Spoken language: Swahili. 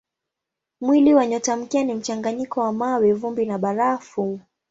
Mwili wa nyotamkia ni mchanganyiko wa mawe, vumbi na barafu.